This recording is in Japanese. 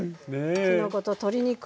きのこと鶏肉。